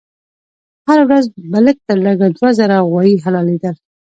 هر ورځ به لږ تر لږه دوه زره غوایي حلالېدل.